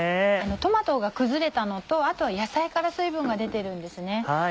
トマトが崩れたのとあとは野菜から水分が出ているんですね。